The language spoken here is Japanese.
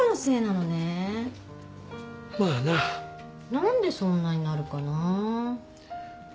何でそんなになるかなあ。